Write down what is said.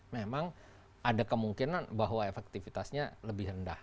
memang ada kemungkinan bahwa efektivitasnya lebih rendah